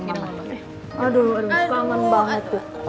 aduh aduh kaman banget tuh